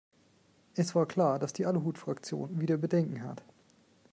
Es war klar, dass die Aluhutfraktion wieder Bedenken hat.